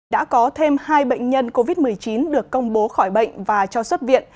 đã có thêm hai bệnh nhân covid một mươi chín được công bố khỏi bệnh và cho xuất viện